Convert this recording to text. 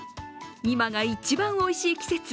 今が一番おいしい季節。